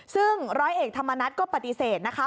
ซึ่งร้อยเอกธรรมนัฏก็ปฏิเสธนะคะ